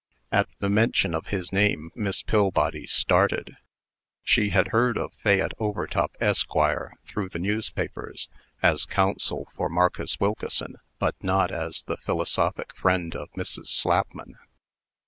At the mention of his name, Miss Pillbody started. She had heard of Fayette Overtop, Esq., through the newspapers, as counsel for Marcus Wilkeson; but not as the philosophic friend of Mrs. Slapman.